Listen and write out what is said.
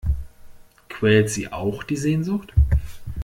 Quält Sie auch die Sehnsucht?